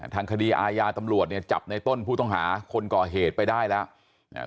ทางคดีอาญาตำรวจเนี่ยจับในต้นผู้ต้องหาคนก่อเหตุไปได้แล้ว